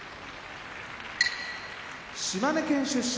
島根県出身